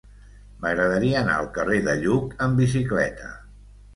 M'agradaria anar al carrer de Lluc amb bicicleta.